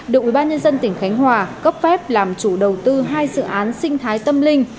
được ubnd tỉnh khánh hòa cấp phép làm chủ đầu tư hai dự án sinh thái tâm linh